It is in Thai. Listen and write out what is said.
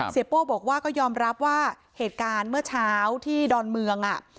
โป้บอกว่าก็ยอมรับว่าเหตุการณ์เมื่อเช้าที่ดอนเมือง